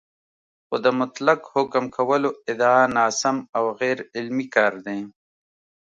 خو د مطلق حکم کولو ادعا ناسم او غیرعلمي کار دی